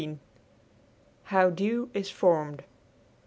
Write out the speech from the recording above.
HOW DEW IS FORMED.